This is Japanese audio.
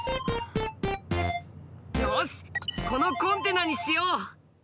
よしこのコンテナにしよう！